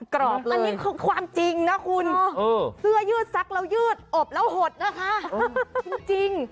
กรอบเลยอันนี้ความจริงนะคุณสื้อยืดซักเรายืดอบแล้วหดนะคะจริง